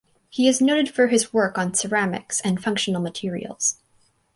He is noted for his work on ceramics and functional materials.